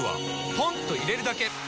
ポンと入れるだけ！